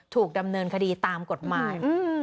ถูกดำเนินคดีตามกฎหมาย